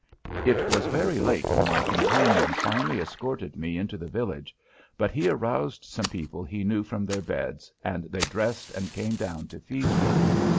It was very late when my companion finally escorted me into the village, but he aroused some people he knew from their beds and they dressed and came down to feed me.